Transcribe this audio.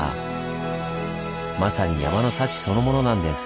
まさに山の幸そのものなんです。